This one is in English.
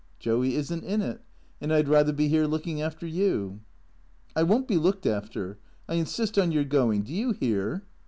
" Joey is n't in it ; and I 'd rather be here looking after you." " I won't be looked after. I insist on your going. Do you hear